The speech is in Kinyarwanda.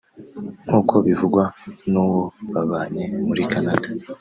nk’uko bivugwa n’uwo babanye muri Canada